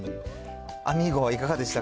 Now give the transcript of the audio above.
アミーゴはいかがでしたか。